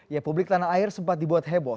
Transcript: ya publik tanah air sempat dibuat heboh